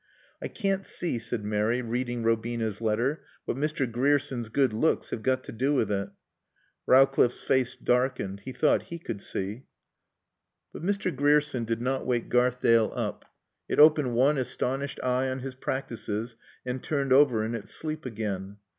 "I can't see," said Mary reading Robina's letter, "what Mr. Grierson's good looks have got to do with it." Rowcliffe's face darkened. He thought he could see. But Mr. Grierson did not wake Garthdale up. It opened one astonished eye on his practices and turned over in its sleep again.